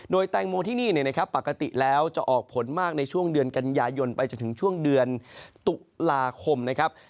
แตงโมที่นี่นะครับปกติแล้วจะออกผลมากในช่วงเดือนกันยายนไปจนถึงช่วงเดือนตุลาคมนะครับ